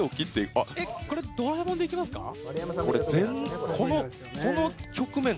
これドラえもんでいきますか？